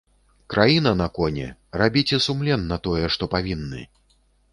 Краіна на коне, рабіце сумленна тое, што павінны.